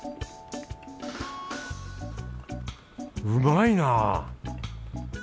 うまいなぁ！